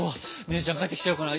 姉ちゃん帰ってきちゃうかな。